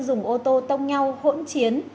dùng ô tô tông nhau hỗn chiến